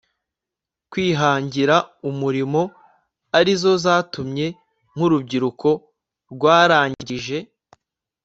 kwihangira umurimo arizo zatumye nk'urubyiruko rwarangije